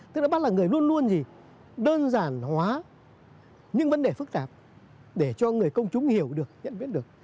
tức là bắt là người luôn luôn gì đơn giản hóa những vấn đề phức tạp để cho người công chúng hiểu được nhận biết được